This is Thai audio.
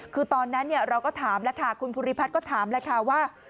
คือตอนนั้นเราก็ถามแล้วค่ะคุณภูริพัฒน์ก็ถามแล้วค่ะว่า